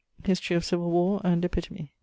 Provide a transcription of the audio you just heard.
Historie of Civill War and Epitome.